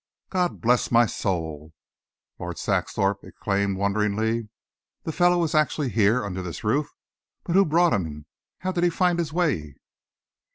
"God bless my soul!" Lord Saxthorpe exclaimed wonderingly. "The fellow is actually here under this roof! But who brought him? How did he find his way?"